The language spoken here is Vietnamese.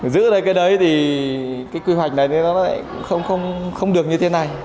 giữ lại cái đấy thì cái quy hoạch này nó lại không được như thế này